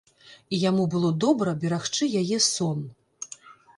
І яму было добра берагчы яе сон.